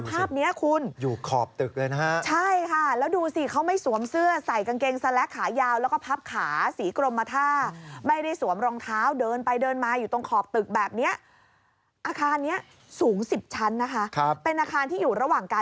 ภาพนี้คุณอยู่ขอบตึกเลยนะฮะใช่ค่ะ